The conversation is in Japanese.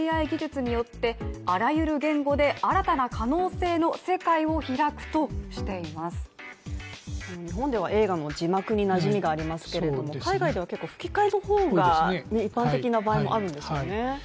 この技術について会社は日本では映画の字幕になじみがありますけれども海外では結構、吹き替えの方が一般的な場合もあるんですね。